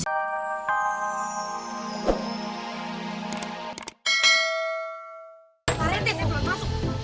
saya belum masuk